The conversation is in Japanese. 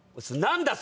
何だ？